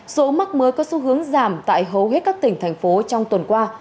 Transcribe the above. số mắc mới có xu hướng giảm tại hầu hết các tỉnh thành phố trong tuần qua